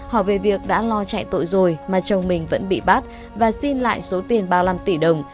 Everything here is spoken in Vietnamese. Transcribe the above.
hỏi về việc đã lo chạy tội rồi mà chồng mình vẫn bị bắt và xin lại số tiền ba mươi năm tỷ đồng